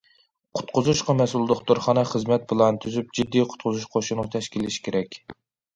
قۇتقۇزۇشقا مەسئۇل دوختۇرخانا خىزمەت پىلانى تۈزۈپ، جىددىي قۇتقۇزۇش قوشۇنى تەشكىللىشى كېرەك.